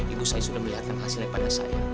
ibu saya sudah melihatkan hasilnya pada saya